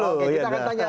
oke kita akan tanya